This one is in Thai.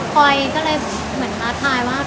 คอยก็เลยเหมือนท้าทายว่า